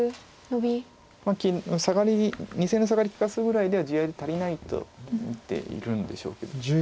２線のサガリ利かすぐらいでは地合いで足りないと見ているんでしょうけど。